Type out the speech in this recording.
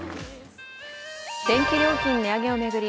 電気料金値上げを巡り